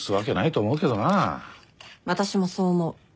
私もそう思う。